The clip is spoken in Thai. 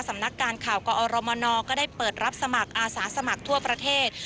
สำนักการข่าวกอรมนก็ได้เปิดรับสมัครอาสาสมัครทั่วประเทศ